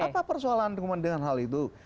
kalau tidak mungkin ada persoalan dengan hal itu